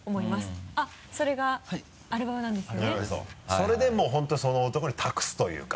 それでもう本当にその男に託すというか。